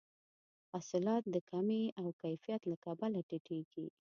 حاصلات د کمې او کیفي له کبله ټیټیږي.